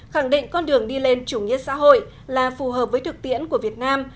khẳng định con đường đi lên chủ nghĩa xã hội là phù hợp với thực tiễn của việt nam